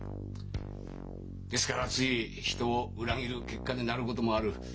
ですからつい人を裏切る結果になることもある。